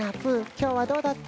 きょうはどうだった？